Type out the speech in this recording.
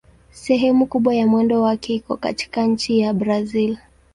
Sehemu kubwa ya mwendo wake iko katika nchi ya Brazil.